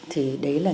thì đấy là